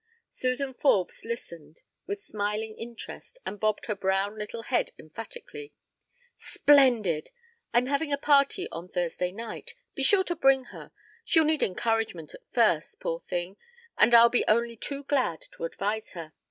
Suzan Forbes listened with smiling interest and bobbed her brown little head emphatically. "Splendid! I'm having a party on Thursday night. Be sure to bring her. She'll need encouragement at first, poor thing, and I'll be only too glad to advise her.